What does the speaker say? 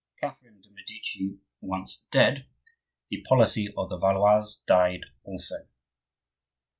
Catherine de' Medici once dead, the policy of the Valois died also.